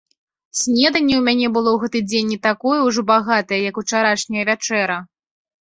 Снеданне ў мяне было гэты дзень не такое ўжо багатае, як учарашняя вячэра.